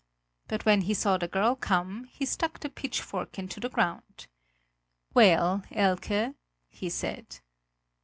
But when he saw the girl come, he stuck the pitchfork into the ground. "Well, Elke!" he said.